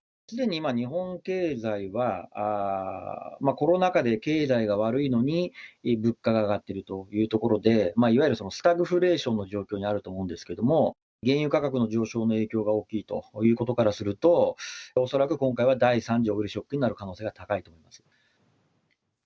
すでに今、日本経済はコロナ禍で経済が悪いのに物価が上がっているというところで、いわゆるスタグフレーションの状況にあると思うんですけど、原油価格の上昇の影響が大きいということからすると、恐らく今回は第３次オイルショックになる可能性が高いと思います。